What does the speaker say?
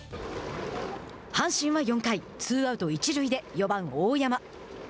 阪神は４回、ツーアウト一塁で４番大山。